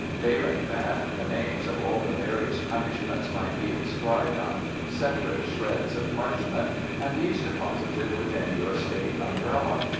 Failing that, the names of all the various punishments might be inscribed on separate shreds of parchment and these deposited within your state umbrella.